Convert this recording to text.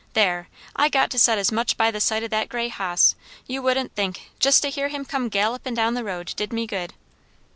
There! I got to set as much by the sight o' that grey hoss, you wouldn't think; just to hear him come gallopin' down the road did me good."